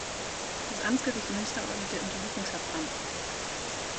Das Amtsgericht Münster ordnete Untersuchungshaft an.